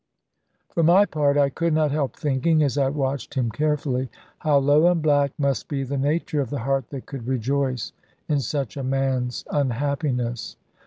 For my part, I could not help thinking, as I watched him carefully, how low and black must be the nature of the heart that could rejoice in such a man's unhappiness.